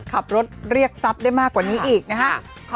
ขับรถเรียกทรัพย์ได้มากกว่านี้อีกนะครับ